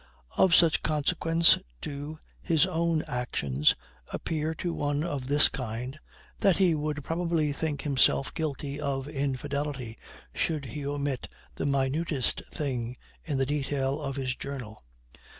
Of such consequence do his own actions appear to one of this kind, that he would probably think himself guilty of infidelity should he omit the minutest thing in the detail of his journal.